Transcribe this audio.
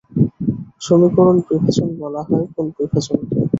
সমীকরনিক বিভাজন বলা হয় কোন বিভাজন কে?